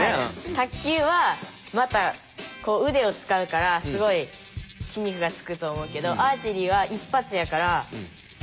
卓球はまたこう腕を使うからすごい筋肉がつくと思うけどアーチェリーは一発やからそうでもないかなと。